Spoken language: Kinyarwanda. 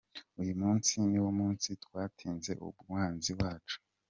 uyu munsi niwo munsi twatsinze umwanzi wacu.